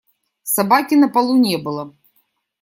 Собаки на полу не было.